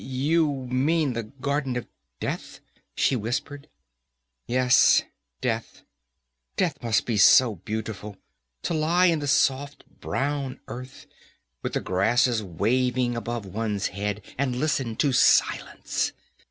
"You mean the Garden of Death," she whispered. "Yes, death. Death must be so beautiful. To lie in the soft brown earth, with the grasses waving above one's head, and listen to silence.